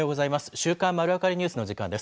週刊まるわかりニュースの時間です。